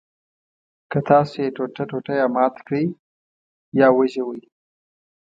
که تاسو یې ټوټه ټوټه یا مات کړئ یا وژوئ.